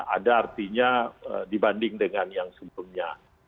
ada artinya dibanding dengan yang sebelumnya